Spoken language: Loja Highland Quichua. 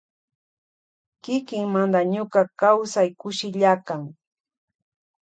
Kikimanda ñuka kausai kushillakan.